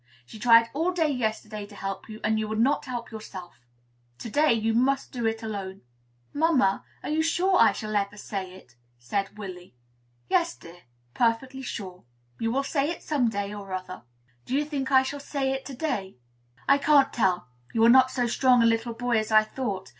She tried all day yesterday to help you, and you would not help yourself; to day you must do it all alone." "Mamma, are you sure I shall ever say it?" asked Willy. "Yes, dear; perfectly sure. You will say it some day or other." "Do you think I shall say it to day?" "I can't tell. You are not so strong a little boy as I thought.